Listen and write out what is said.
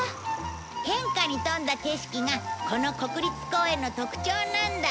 変化に富んだ景色がこの国立公園の特徴なんだ。